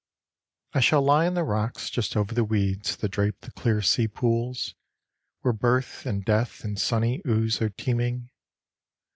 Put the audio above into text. I shall lie on the rocks just over the weeds that drape The clear sea pools, where birth and death in sunny ooze are teeming.